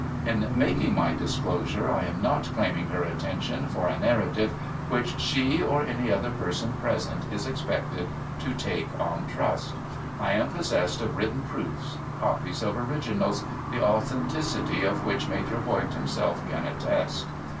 In making my disclosure, I am not claiming her attention for a narrative which she, or any other person present, is expected to take on trust. I am possessed of written i)roofs, copies of originals, the authenticity of which Maitre Voigt himself can attest.